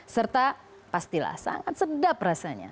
serta pastilah sangat sedap rasanya